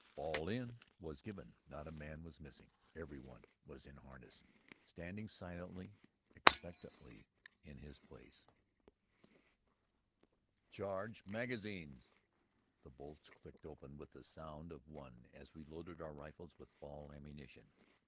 Fall in!" was given, not a man was missing. Every one was in harness, standing silently, expectantly, in his place. "Charge magazines!" The bolts clicked open with the sound of one as we loaded our rifles with ball ammunition.